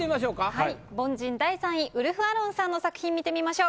はい凡人第３位ウルフアロンさんの作品見てみましょう。